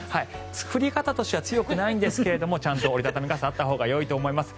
降り方としては強くないんですがちゃんと折り畳み傘があったほうがいいと思います。